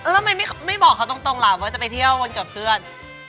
แล้วทำไมไม่บอกเขาตรงล่ะว่าจะไปเที่ยววันเกิดเพื่อน